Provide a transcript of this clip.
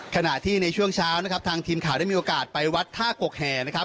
ขณะที่ในช่วงเช้านะครับทางทีมข่าวได้มีโอกาสไปวัดท่ากกแห่นะครับ